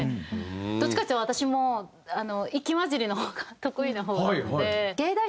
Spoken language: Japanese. どっちかというと私も息混じりの方が得意な方なので。